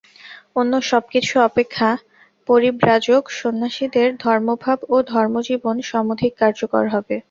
অন্য সব কিছু অপেক্ষা পরিব্রাজক সন্ন্যাসীদের ধর্মভাব ও ধর্মজীবন সমধিক কার্যকর হবে।